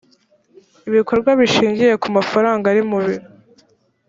ibikorwa bishingiye ku mafaranga ari mu biro